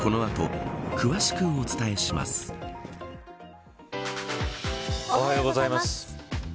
おはようございます。